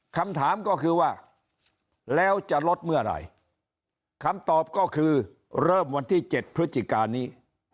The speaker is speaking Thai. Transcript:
คำถามก็คือว่าแล้วจะลดเมื่อไหร่คำตอบก็คือเริ่มวันที่๗พฤศจิกานี้